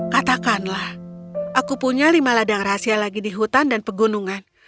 katakanlah aku punya lima ladang rahasia lagi di hutan dan pegunungan